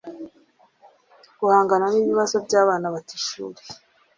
guhangana n'ikibazo cy'abana bata ishuri